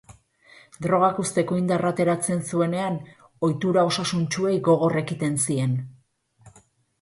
Drogak uzteko indarra ateratzen zuenean, ohitura osasuntsuei gogor ekiten zien.